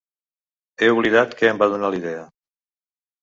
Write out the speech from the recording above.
He oblidat què em va donar la idea.